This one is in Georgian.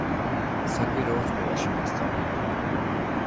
საკვირაო სკოლაში მასწავლებლად.